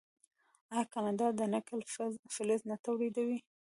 آیا کاناډا د نکل فلز نه تولیدوي؟